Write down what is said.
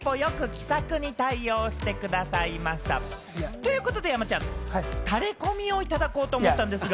ということで山ちゃん、タレコミをいただこうと思ったんですが。